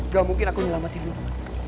gak mungkin aku menyelamatkan tidur